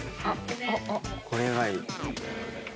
これがいい。